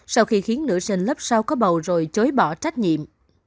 sau khi khiến nữ sinh lớp sau có bầu rồi chối bỏ trách nhiệm